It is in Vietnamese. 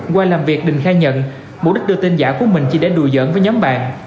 qua làm việc đình khai nhận mục đích đưa tin giả của mình chỉ để đùi dẫn với nhóm bạn